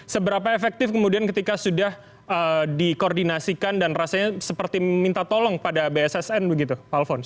seberapa efektif kemudian ketika sudah dikoordinasikan dan rasanya seperti minta tolong pada bssn begitu pak alfons